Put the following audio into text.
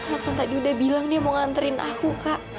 aksan tadi udah bilang dia mau nganterin aku kak